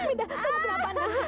mida kamu kenapa sayang